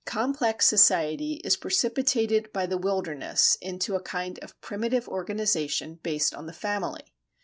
Complex society is precipitated by the wilderness into a kind of primitive organization based on the family.